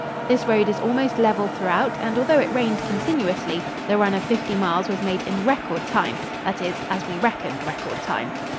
This road is almost level throughout, and although it rained continuously, the run of fifty miles was made in record time that is, as we reckoned record time.